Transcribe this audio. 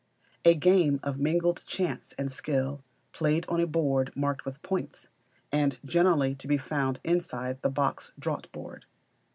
A game of mingled chance and skill, played on a board marked with points, and generally to be found inside the box draughtboard.